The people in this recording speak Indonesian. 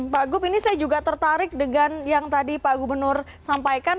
pak gup ini saya juga tertarik dengan yang tadi pak gubernur sampaikan